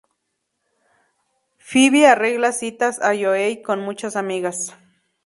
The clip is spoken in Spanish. Phoebe arregla citas a Joey con muchas amigas.